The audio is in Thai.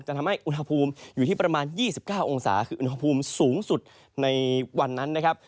ทำให้อุณหภูมิอยู่ที่ประมาณ๒๙องศาคืออุณหภูมิสูงสุดในวันนั้นนะครับ